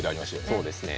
そうですね。